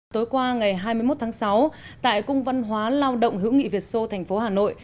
tối qua ngày hai mươi một tháng sáu tại cung văn hóa lao động hữu nghị việt sô thành phố hà nội